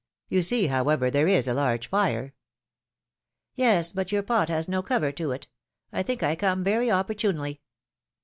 You see, however, there is a large fire!" Yes, but your pot has no cover to it; I think I have come very opportunely."